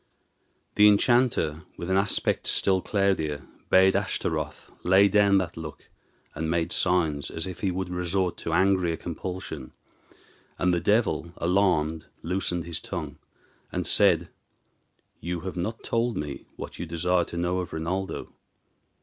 The enchanter, with an aspect still cloudier, bade Ashtaroth lay down that look, and made signs as if he would resort to angrier compulsion; and the devil, alarmed, loosened his tongue, and said, "You have not told me what you desire to know of Rinaldo."